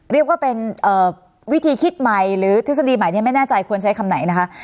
เรียกว่าเป็นวิธีคิดใหม่หรือทฤษฎีใหม่เนี่ยไม่แน่ใจควรใช้คำไหนนะคะ